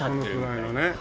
そのくらいのね。